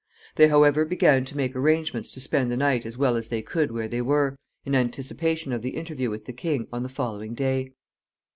They, however, began to make arrangements to spend the night as well as they could where they were, in anticipation of the interview with the king on the following day.